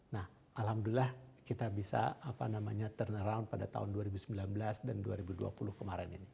nah alhamdulillah kita bisa apa namanya turna around pada tahun dua ribu sembilan belas dan dua ribu dua puluh kemarin ini